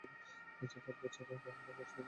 পাঁচ বছর একই হারে কাজ করেছিলাম।